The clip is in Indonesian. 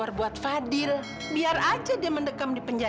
riz biar aku yang ambil ya